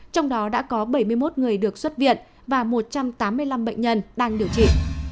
trong đó đã có bảy mươi một người được xuất viện và một trăm tám mươi năm bệnh nhân đang điều trị